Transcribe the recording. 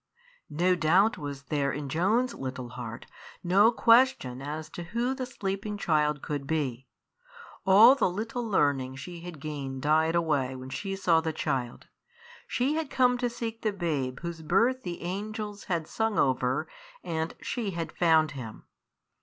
No doubt was there in Joan's little heart, no question as to who the sleeping child could be. All the little learning she had gained died away when she saw the child. She had come to seek the babe whose birth the angels had sung over, and she had found him.